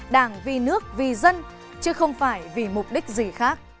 đảng vì nước vì dân chứ không phải vì mục đích gì khác